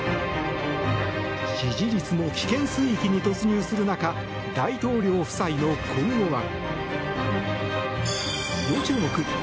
支持率も危険水域に突入する中大統領夫妻の今後は。